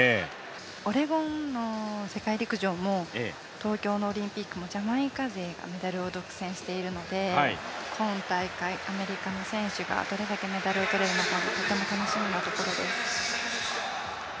オレゴンの世界陸上も東京のオリンピックも、ジャマイカ勢がメダルを独占しているので、今大会アメリカの選手がどれだけメダルを取れるのかもとても楽しみなところです。